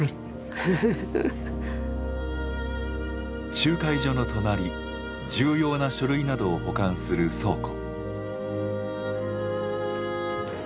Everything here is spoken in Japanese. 集会所の隣重要な書類などを保管する倉庫。